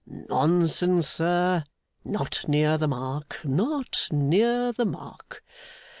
'Nonsense, sir. Not near the mark, not near the mark.